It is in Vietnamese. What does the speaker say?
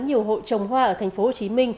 nhiều hội trồng hoa ở tp hcm